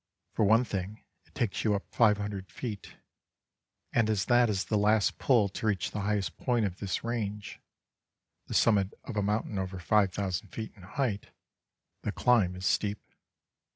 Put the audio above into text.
For one thing it takes you up 500 feet, and as that is the last pull to reach the highest point of this range (the summit of a mountain over 5000 feet in height), the climb is steep.